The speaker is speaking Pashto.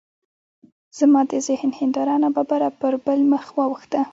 زما د ذهن هنداره ناببره پر بل مخ واوښته.